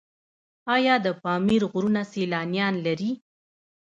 آیا د پامیر غرونه سیلانیان لري؟